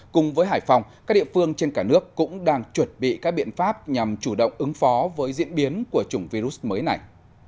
cùng với hải phòng các địa phương trên cả nước cũng đang chuẩn bị các biện pháp nhằm chủ động ứng phó với diễn biến của chủng virus mới này